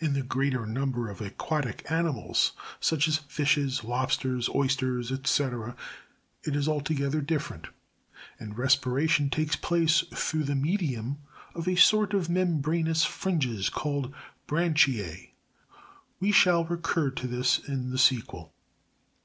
36. In the greater number of aquatic animals, such as fishes, lobsters, oysters, &c, it is altogether different, and respiration takes place through the medium of a sort of membraneous frin ges called branchiae ; we shall recur to this in the sequel.